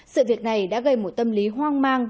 sự việc này đã gây một tâm lý hoang mang